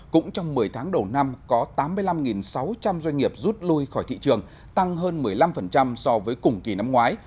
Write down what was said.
cũng trong một mươi tháng đầu năm có tám mươi năm sáu trăm linh doanh nghiệp rút lui khỏi thị trường tăng hơn một mươi năm so với cùng kỳ năm ngoái